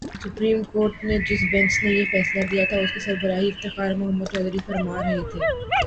Supreme court کے جس bench نے یہ فیصلہ دیا تھا، اس کی سربراہی افتخار محمد چودھری فرما رہے تھے۔